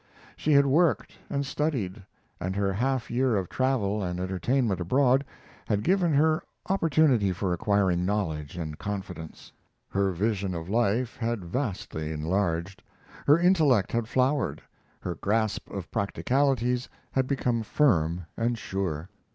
She had worked and studied, and her half year of travel and entertainment abroad had given her opportunity for acquiring knowledge and confidence. Her vision of life had vastly enlarged; her intellect had flowered; her grasp of practicalities had become firm and sure.